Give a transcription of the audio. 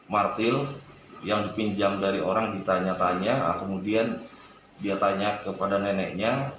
martil yang dipinjam dari orang ditanya tanya kemudian dia tanya kepada neneknya